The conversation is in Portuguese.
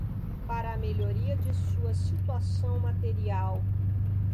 para a melhoria de sua situação material